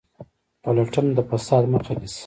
پلټنه د فساد مخه نیسي